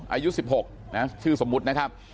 อายุ๑๖นะชื่อสมมุตินะครับ